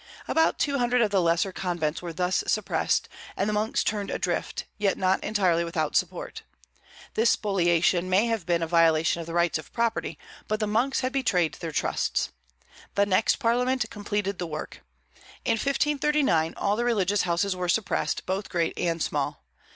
About two hundred of the lesser convents were thus suppressed, and the monks turned adrift, yet not entirely without support. This spoliation may have been a violation of the rights of property, but the monks had betrayed their trusts. The next Parliament completed the work. In 1539 all the religious houses were suppressed, both great and small.